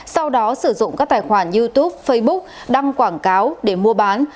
sau đó sử dụng các tài khoản youtube facebook đăng quảng cáo để mua bán